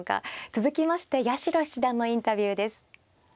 続きまして八代七段のインタビューです。